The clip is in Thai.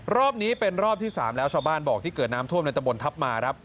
รอบนี้เป็นรอบที่๓แล้วชาวบ้านบอกที่เกิดน้ำท่วมในตะบนทัพมาครับ